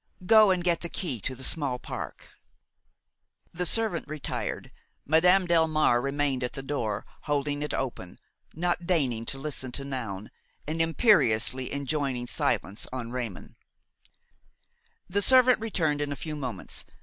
Go and get the key to the small park." The servant retired. Madame Delmare remained at the door, holding it open, not deigning to listen to Noun and imperiously enjoining silence on Raymon. The servant returned in a few moments.